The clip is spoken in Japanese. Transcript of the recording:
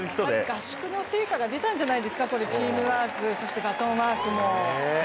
合宿の成果が出たんじゃないですか、チームワーク、そしてバトンワークも。